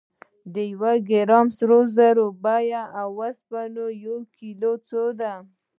د یو ګرام سرو زرو بیه د اوسپنې د یو کیلو څو چنده ده.